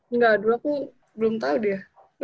enggak dulu aku belum tahu dia